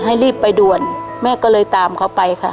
รีบไปด่วนแม่ก็เลยตามเขาไปค่ะ